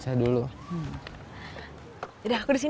aku juga bisa ambil keputusan